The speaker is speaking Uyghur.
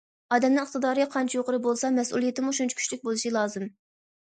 ئادەمنىڭ ئىقتىدارى قانچە يۇقىرى بولسا، مەسئۇلىيىتىمۇ شۇنچە كۈچلۈك بولۇشى لازىم.